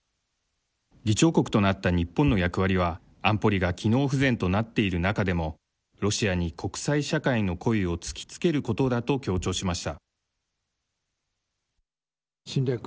議長国となった日本の役割は安保理が機能不全となっている中でもロシアに国際社会の声を突きつけることだと強調しました。